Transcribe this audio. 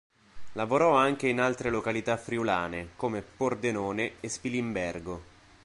Lavorò anche in altre località friulane, come Pordenone e Spilimbergo.